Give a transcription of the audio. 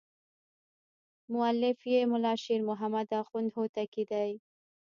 مؤلف یې ملا شیر محمد اخوند هوتکی دی.